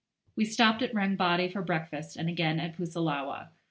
We stopped at Rangbodde to breakfast, and again at Pusillawa.